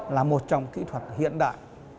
là một trong kỹ thuật hiện đại